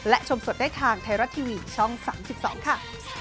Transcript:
และชมสดได้ทางไทยรัฐทีวีช่อง๓๒ค่ะ